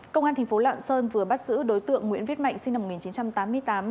công an thành phố lạng sơn vừa bắt giữ đối tượng nguyễn viết mạnh sinh năm một nghìn chín trăm tám mươi tám